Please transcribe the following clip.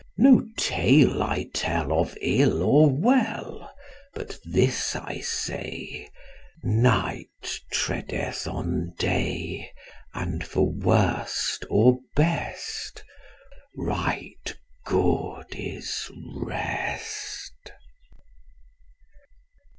No tale I tell Of ill or well, But this I say: Night treadeth on day, And for worst or best Right good is rest.